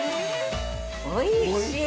おいしい！